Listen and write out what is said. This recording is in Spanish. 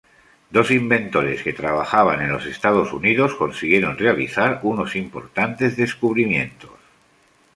Dos inventores que trabajaban en los Estados Unidos consiguieron realizar unos importantes descubrimientos.